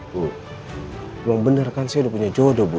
bu emang bener kan saya udah punya jodoh bu